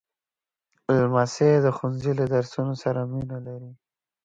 لمسی د ښوونځي له درسونو سره مینه لري.